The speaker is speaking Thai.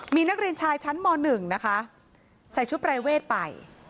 มีนักเรียนชายชั้นม๑นะคะใส่ชุดปรายเวทไป